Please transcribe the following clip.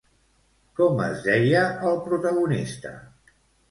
Com es deia el protagonista?